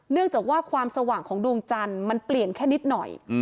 เนื่องจากว่าความสว่างของดวงจันทร์มันเปลี่ยนแค่นิดหน่อย